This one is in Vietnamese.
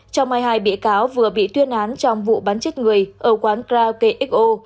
trong hai bị cáo vừa bị tuyên án trong vụ bắn chết người ở quán kraut kxo